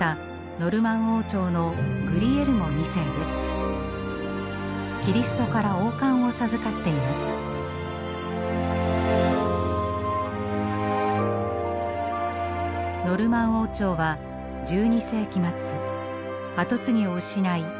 ノルマン王朝は１２世紀末跡継ぎを失い消滅します。